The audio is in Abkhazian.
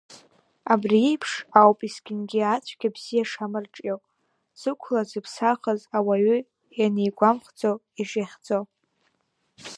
Абри еиԥш ауп есқьынгьы ацәгьа бзиа шамырҿио, зықәла дзыԥсахыз ауаҩы ианигәамхәӡо ишихьӡо.